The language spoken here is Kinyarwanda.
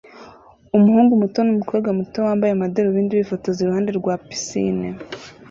Umuhungu muto numukobwa muto wambaye amadarubindi bifotoza iruhande rwa pisine